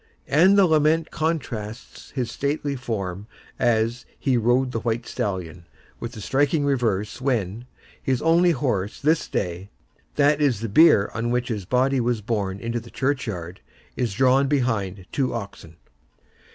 And the lament contrasts his stately form as "he rode the white stallion," with the striking reverse when, "his only horse this day"—that is the bier on which his body was borne to the churchyard—"is drawn behind two oxen."